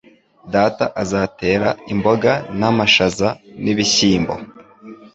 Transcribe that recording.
Data azatera imboga n'amashaza n'ibishyimbo.